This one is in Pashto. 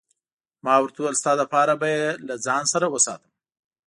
ما ورته وویل: ستا لپاره به يې له ځان سره وساتم.